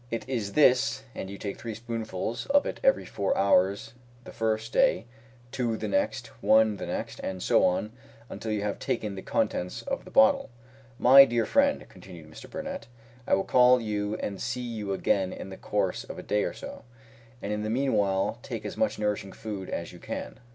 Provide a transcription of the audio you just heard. It is this, and you take three teaspoonfuls of it every four hours the first day, two the next, one the next, and so on until you have taken the contents of the bottle. My dear friend," continued Mr. Burnett, "I will call and see you again in the course of a day or so, and in the meanwhile take as much nourishing food as you can.